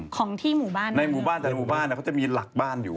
ของที่หมู่บ้านในหมู่บ้านแต่หมู่บ้านเขาจะมีหลักบ้านอยู่